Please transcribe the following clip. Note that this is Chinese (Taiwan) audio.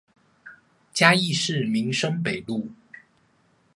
嘉義市民生北路